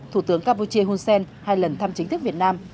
thủ tướng campuchia hun sen hai lần thăm chính thức việt nam